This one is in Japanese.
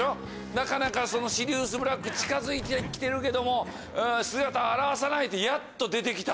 なかなかシリウス・ブラック近づいて来てるけども姿を現さないやっと出て来た。